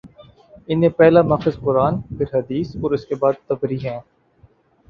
ان میں پہلا ماخذ قرآن، پھر حدیث اور اس کے بعد طبری ہیں۔